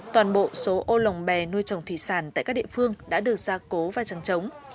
toàn bộ số ô lồng bè nuôi trồng thủy sản tại các địa phương đã được ra cố và trắng trống